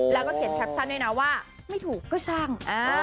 แล้วก็เขียนแคปชั่นด้วยนะว่าไม่ถูกก็ช่าง